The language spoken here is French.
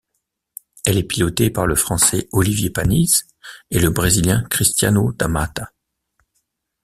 Elle est pilotée par le Français Olivier Panis et le Brésilien Cristiano Da Matta.